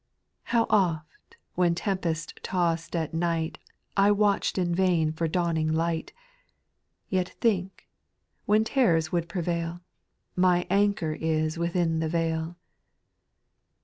2. How oft, when tempest tossed at night, I watch in vain for dawning light, Yet think, when terrors w^ould prevail, My anchor is within the vail.